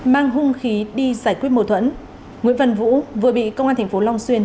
mang hung khí đi giải quyết mùa thuẫn nguyễn văn vũ vừa bị công an tp long xuyên